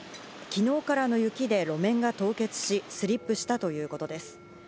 昨日からの雪で路面が凍結し、スリップしたということです。